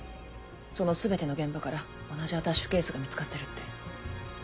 その全ての現場から同じアタッシュケースが見つかってるって。